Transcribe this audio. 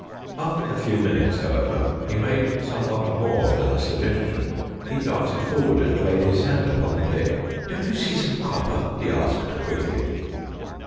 After a few minutes, however, he made somewhat more than a suggestion. He darted forward and laid his hand upon the pick. " Don't you see some copper? " he asked quickly.